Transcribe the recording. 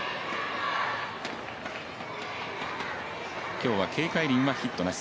今日は奚凱琳はヒットなし。